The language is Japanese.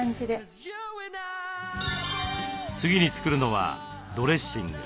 次に作るのはドレッシング。